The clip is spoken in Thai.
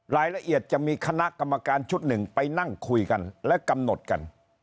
รายละเอียดจะมีคณะกรรมการชุดหนึ่งไปนั่งคุยกันและกำหนดกัน